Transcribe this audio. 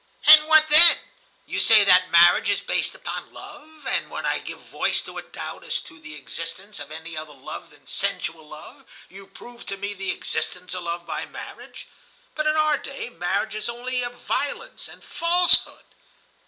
"And what then? You say that marriage is based upon love, and when I give voice to a doubt as to the existence of any other love than sensual love, you prove to me the existence of love by marriage. But in our day marriage is only a violence and falsehood."